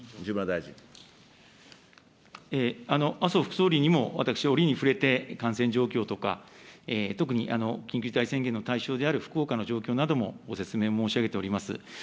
麻生副総理にも私、折に触れて、感染状況とか、特に緊急事態宣言の対象である福岡の状況などもご説明申し上げております。